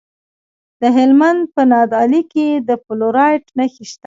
د هلمند په نادعلي کې د فلورایټ نښې شته.